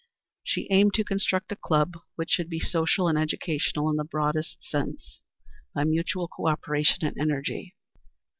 She aimed to construct a club which should be social and educational in the broadest sense by mutual co operation and energy.